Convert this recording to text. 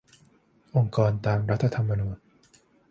องค์กรตามรัฐธรรมนูญ